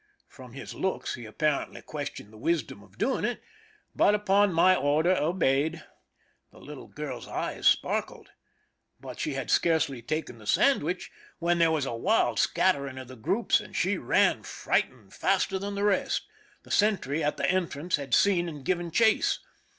From his looks he apparently questioned the wisdom of doing it, but upon my order obeyed. The little girl's eyes sparkled. But she had scarcely taken the sandwich when there was a wild scatter ing of the groups, and she ran, frightened, faster than the rest. The sentry at the entrance had seen and given chase.